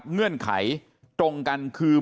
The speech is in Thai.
เงื่อนไขตรงกันคือ